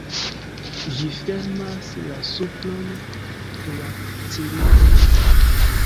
Ĝi fermas la supron de la cilindroj.